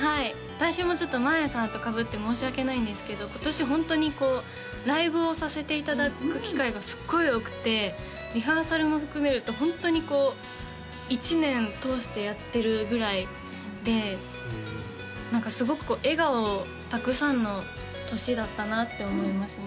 私もちょっとまあやさんとかぶって申し訳ないんですけど今年ホントにこうライブをさせていただく機会がすっごい多くてリハーサルも含めるとホントにこう１年通してやってるぐらいで何かすごくこう笑顔たくさんの年だったなって思いますね